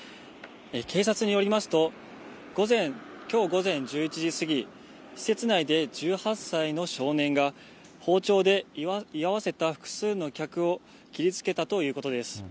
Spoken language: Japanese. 警察によりますと、きょう午前１１時過ぎ、施設内で１８歳の少年が、包丁で、居合わせた複数の客を切りつけたということです。